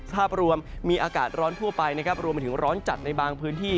ภาพรวมมีอากาศร้อนทั่วไปนะครับรวมไปถึงร้อนจัดในบางพื้นที่